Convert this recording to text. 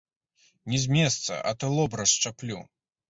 Ні з месца, а то лоб расшчаплю!